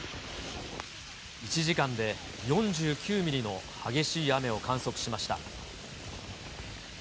１時間で４９ミリの激しい雨を観測しました。